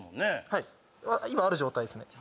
はい今ある状態ですね